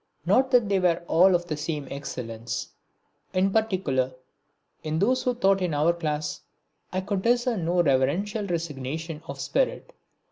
Not that they were all of the same excellence. In particular, in those who taught in our class I could discern no reverential resignation of spirit.